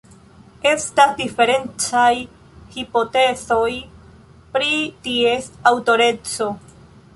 Estas diferencaj hipotezoj pri ties aŭtoreco.